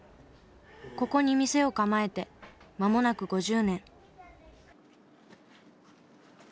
ここに店を構えて間もなく５０年。